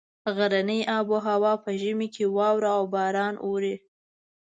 غرني آب هوا په ژمي کې واوره او باران اوري.